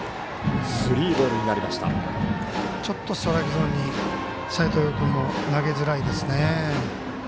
ちょっとストライクゾーンに斎藤蓉君も投げづらいですね。